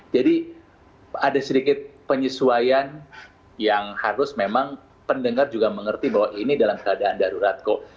jadi ada sedikit penyesuaian yang harus memang pendengar juga mengerti bahwa ini dalam keadaan darurat kok